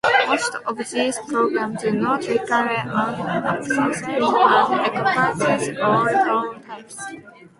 Most of these programs do not require an appraisal, and encompass all loan types.